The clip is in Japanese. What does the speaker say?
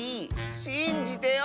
しんじてよ！